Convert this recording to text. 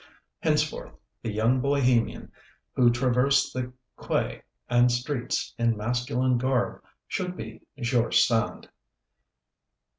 Henceforth the young Bohemian, who traversed the quais and streets in masculine garb, should be GEORGE SAND.